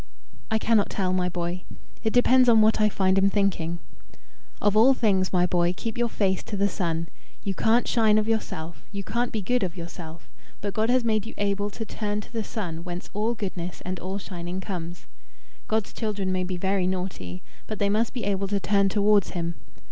"I cannot tell, my boy. It depends on what I find him thinking. Of all things, my boy, keep your face to the Sun. You can't shine of yourself, you can't be good of yourself, but God has made you able to turn to the Sun whence all goodness and all shining comes. God's children may be very naughty, but they must be able to turn towards him.